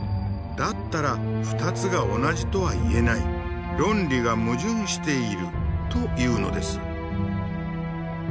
だったら２つが同じとは言えない論理が矛盾しているというのです。